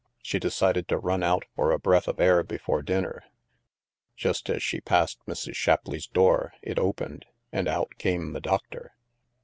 She decided to run out for a breath of air before dinner. Just as she passed Mrs. Shapleigh's door, it opened, and out came the doctor.